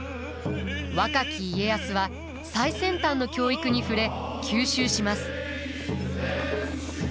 若き家康は最先端の教育に触れ吸収します。